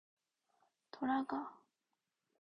돌아가!